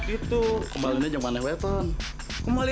itu kembali kembali